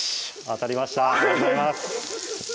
ありがとうございます